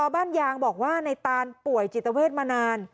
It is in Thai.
บ้านยางบอกว่าในตานป่วยจิตเวทมานาน